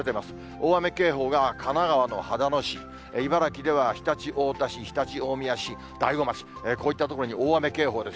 大雨警報が神奈川の秦野市、茨城では常陸太田市、常陸大宮市、大子町、こういった所に大雨警報です。